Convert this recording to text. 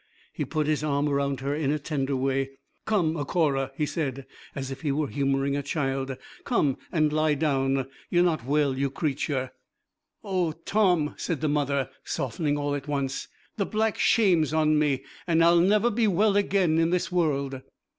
He put his arm round her in a tender way. 'Come, achora,' he said, as if he were humouring a child, 'come and lie down. You're not well, you creature.' 'Oh Tom,' said the mother, softening all at once, 'the black shame's on me, and I'll never be well again in this world.'